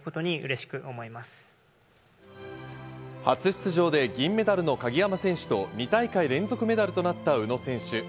初出場で銀メダルの鍵山選手と２大会連続メダルとなった宇野選手。